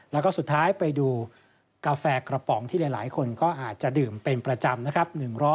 แล้วก็สุดท้ายไปดูกาแฟกระป๋องที่หลายคนก็อาจจะดื่มเป็นประจำนะครับ